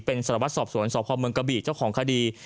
เป็นสารวัตรสอบสวนสพเมืองกะบี่เจ้าของคดี